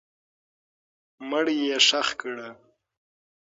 مړی یې ښخ کړه.